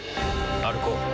歩こう。